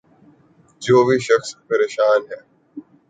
جو بھی شخص پریشان ہے